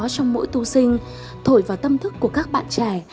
trong mỗi tu sinh thổi vào tâm thức của các bạn trẻ